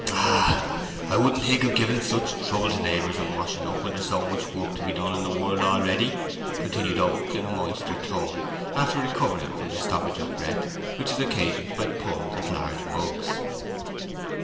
"I wouldn't think of giving such trouble to neighbours in washing up when there's so much work to be done in the world already," continued Oak in a moister tone, after recovering from the stoppage of breath which is occasioned by pulls at large mugs.